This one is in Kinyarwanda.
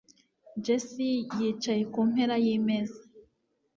Jessie yicaye ku mpera yimeza